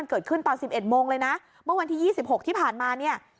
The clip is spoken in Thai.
เกิดขึ้นตอน๑๑โมงเลยนะวันที่๒๖ที่ผ่านมาเนี่ย